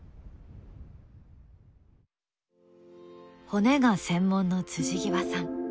骨が専門の極さん